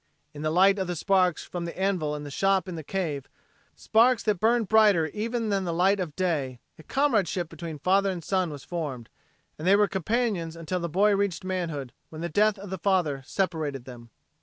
In the light of the sparks from the anvil in the shop in the cave, sparks that burned brighter even than the light of day, a comradeship between father and son was formed, and they were companions until the boy reached manhood when the death of the father separated them.